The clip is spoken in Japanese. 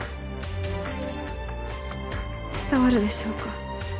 伝わるでしょうか？